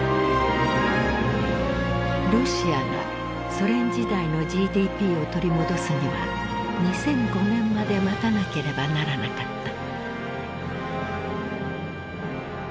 ロシアがソ連時代のＧＤＰを取り戻すには２００５年まで待たなければならなかった。